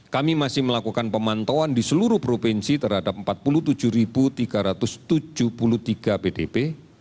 kami masih melakukan pemantauan di seluruh provinsi terhadap empat puluh tujuh tiga ratus tujuh puluh tiga pdp